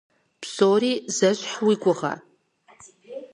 Псори зэщхь уи гугъэ?